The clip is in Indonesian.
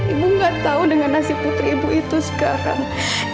ibu gak tahu dengan nasib putri ibu itu sekarang